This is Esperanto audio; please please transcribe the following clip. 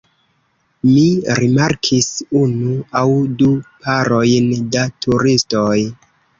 Mi rimarkis unu aŭ du parojn da turistoj.